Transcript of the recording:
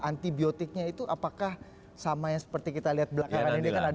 antibiotiknya itu apakah sama yang seperti kita lihat belakangan ini kan ada